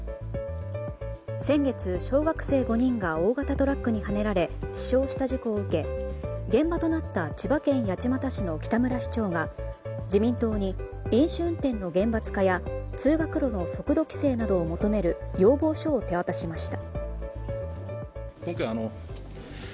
先月小学生５人が大型トラックにはねられ死傷した事故を受け現場となった千葉県八街市の北村市長が、自民党に飲酒運転の厳罰化や通学路の速度規制などを求める要望書を手渡しました。